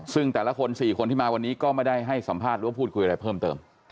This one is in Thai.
ซึ่งแต่ละคน๔คนที่มาวันนี้ก็ไม่ได้ให้สัมภาษณ์หรือว่าพูดคุยอะไรเพิ่มเติม